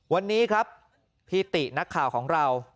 วันนี้ครับพี่ตินักข่าวของเรา